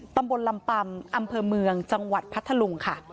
ตำบลลำปำอำเภอเมืองจังหวัดพัทธลุงค่ะ